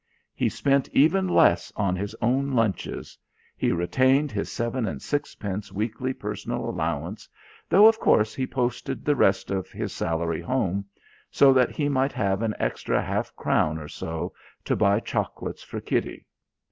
He spent even less on his own lunches he retained his seven and sixpence weekly personal allowance, though of course he posted the rest of his salary home so that he might have an extra half crown or so to buy chocolates for Kitty.